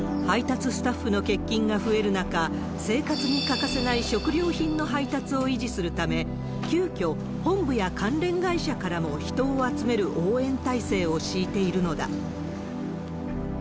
配達スタッフの欠勤が増える中、生活に欠かせない食料品の配達を維持するため、急きょ、本部や関連会社からも人を集める応援体制を敷いているのだ。